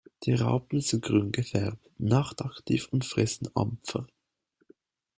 Die Raupen sind grün gefärbt, nachtaktiv und fressen Ampfer.